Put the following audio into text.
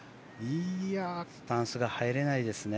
スタンスが入れないですね。